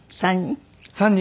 ３人？